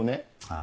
あ？